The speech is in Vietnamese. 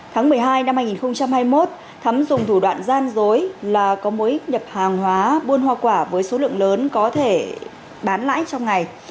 tháng một mươi hai năm hai nghìn hai mươi một thắm dùng thủ đoạn gian dối là có mối nhập hàng hóa buôn hoa quả với số lượng lớn có thể bán lại trong ngày